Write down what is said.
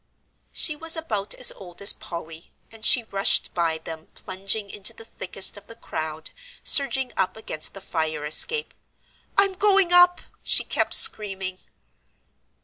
She was about as old as Polly, and she rushed by them plunging into the thickest of the crowd surging up against the fire escape. "I'm going up," she kept screaming.